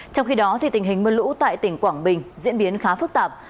trong khi đó tình hình mưa lũ tại tỉnh quảng bình diễn biến khá phức tạp